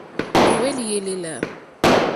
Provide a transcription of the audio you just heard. Ó hwélì èlèlà.